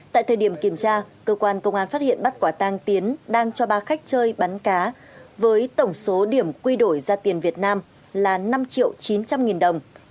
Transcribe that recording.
tại thời điểm kiểm tra cơ quan công an phát hiện bắt quả tang tiến đang cho ba khách chơi bắn cá với tổng số điểm quy đổi ra tiền việt nam là năm triệu chín trăm linh nghìn đồng